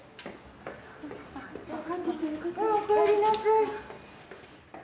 おかえりなさい。